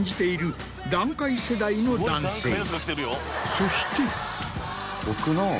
そして。